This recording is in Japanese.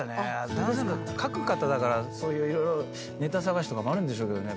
旦那さん書く方だからそういう色々ネタ探しとかもあるんでしょうけどね。